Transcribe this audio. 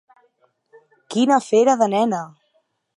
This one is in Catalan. Quina fera de nena!